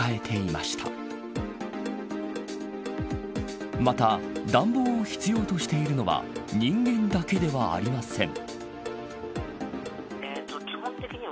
また、暖房を必要としているのは人間だけではありません。